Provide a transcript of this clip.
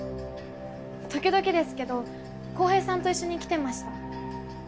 時々ですけど浩平さんと一緒に来てました。